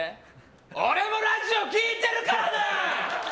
俺もラジオ聴いてるからだ！